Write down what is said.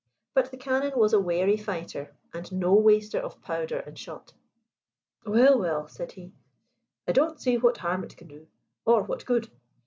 But the Canon was a wary fighter and no waster of powder and shot. "Well, well," said he, "I don't see what harm it can do, or what good.